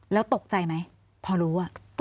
แล้วตกใจไหมพอรู้